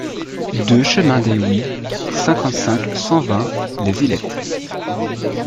deux chemin des Houys, cinquante-cinq, cent vingt, Les Islettes